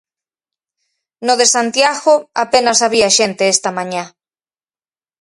No de Santiago, apenas había xente esta mañá.